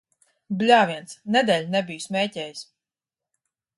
Bļāviens! Nedēļu nebiju smēķējis.